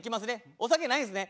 お酒ないんすね。